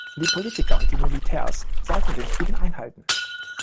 Die Politiker und die Militärs sollten den Frieden einhalten.